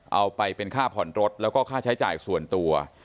เอาไปเป็นค่าผ่อนรถแล้วก็ค่าใช้จ่ายส่วนตัว